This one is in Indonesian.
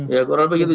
ya kurang lebih begitu